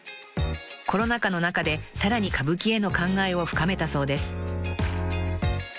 ［コロナ禍の中でさらに歌舞伎への考えを深めたそうです］